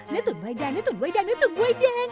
น้ำตุ๋นไว้แดงน้ำตุ๋นไว้แดงน้ำตุ๋นไว้แดง